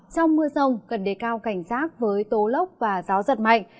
trong mưa rông cần đề cao cảnh giác với tố lốc và gió giật mạnh